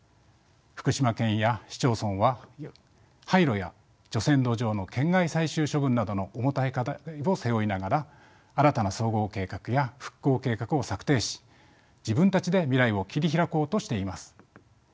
福島県や市町村は廃炉や除染土壌の県外最終処分などの重たい課題を背負いながら新たな総合計画や復興計画を策定し自分たちで未来を切り開こうとしています。